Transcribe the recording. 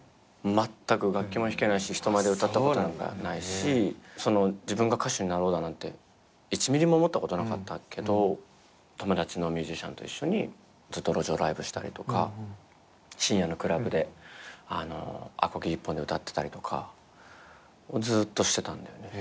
まったく楽器も弾けないし人前で歌ったことなんかないし自分が歌手になろうだなんて１ミリも思ったことなかったけど友達のミュージシャンと一緒にずっと路上ライブしたりとか深夜のクラブでアコギ１本で歌ってたりとかをずっとしてたんだよね。